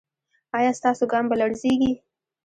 ایا ستاسو ګام به لړزیږي؟